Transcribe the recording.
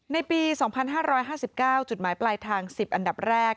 ในปี๒๕๕๙จุดหมายปลายทาง๑๐อันดับแรก